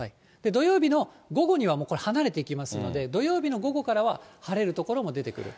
土曜日の午後にはもうこれ離れていきますので、土曜日の午後からは晴れる所も出てくる。